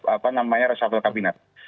apa namanya resafel kabinet